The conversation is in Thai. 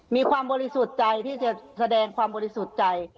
มีความบริสุทธิ์ใจที่จะแสดงความบริสุทธิ์ใจ